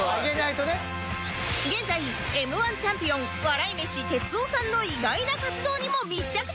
現在 Ｍ−１ チャンピオン笑い飯哲夫さんの意外な活動にも密着中！